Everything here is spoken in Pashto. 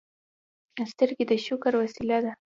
سترګې د شکر وسیله ده